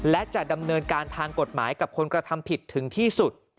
และจะดำเนินการทางกฎหมายกับคนกระทำผิดถึงที่สุด